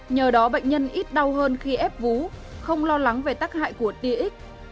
nhờ đó bệnh nhân ít đau hơn khi ép vú không lo lắng về tác hại của tia x